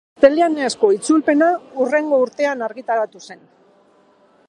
Gaztelaniazko itzulpena hurrengo urtean argitaratu zen.